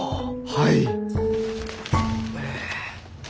はい。